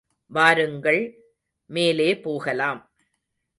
வாருங்கள், மேலே போகலாம்.